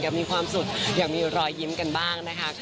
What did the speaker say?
มีความสุขอยากมีรอยยิ้มกันบ้างนะคะ